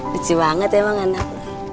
kecil banget emang anak